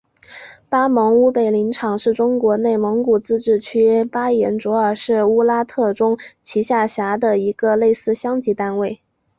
巴盟乌北林场是中国内蒙古自治区巴彦淖尔市乌拉特中旗下辖的一个类似乡级单位。